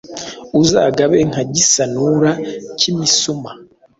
Uzagabe nka Gisanura, kimisuma